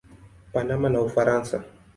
Panama na Ufaransa.